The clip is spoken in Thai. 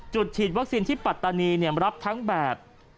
ฉีดวัคซีนที่ปัตตานีรับทั้งแบบ